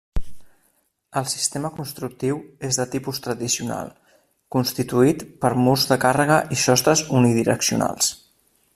El sistema constructiu és de tipus tradicional constituït per murs de càrrega i sostres unidireccionals.